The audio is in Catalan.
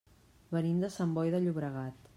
Venim de Sant Boi de Llobregat.